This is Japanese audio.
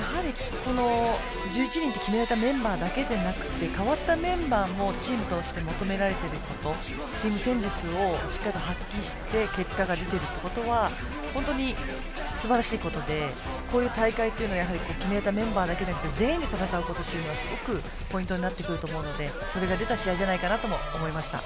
１１人という決められたメンバーだけではなく代わったメンバーもチームとして求められていることチーム戦術をしっかりと発揮して結果が出ていることは本当にすばらしいことでこういう大会というのは決めたメンバーだけじゃなくて全員で戦うことがすごくポイントになると思うのでそれが出た試合じゃないかなとも思いました。